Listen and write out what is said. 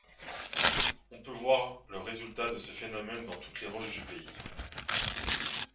On peut voir le résultat de ce phénomène dans toutes les roches du pays.